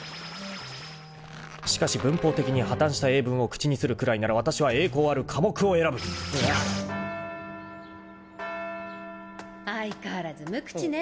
しかし文法的に破綻した英文を口にするくらいならわたしは栄光ある科目を選ぶ相変わらず無口ね。